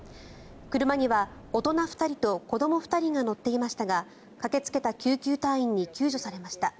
車には大人２人と子ども２人が乗っていましたが駆けつけた救急隊員に救助されました。